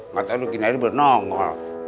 matanya lu kini aja belum nongol